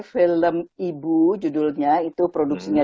film ibu judulnya itu produksinya